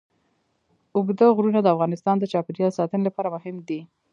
اوږده غرونه د افغانستان د چاپیریال ساتنې لپاره مهم دي.